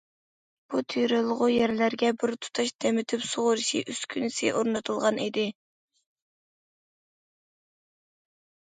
بۇ تېرىلغۇ يەرلەرگە بىر تۇتاش تېمىتىپ سۇغىرىش ئۈسكۈنىسى ئورنىتىلغان ئىدى.